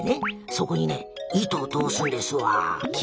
そこにね糸を通すんですわ。